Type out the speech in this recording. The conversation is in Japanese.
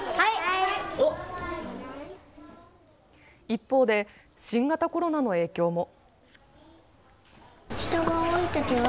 一方で新型コロナの影響も。